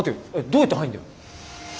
どうやって入んだよ。